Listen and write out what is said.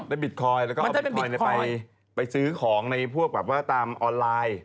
บิตคอยน์แล้วก็เอาบิตคอยน์ไปซื้อของในพวกแบบว่าตามออนไลน์